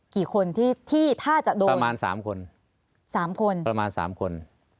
กี่คนที่ถ้าจะโดนประมาณ๓คน